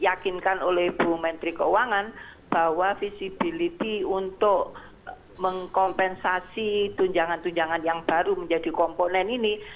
diyakinkan oleh bu menteri keuangan bahwa visibility untuk mengkompensasi tunjangan tunjangan yang baru menjadi komponen ini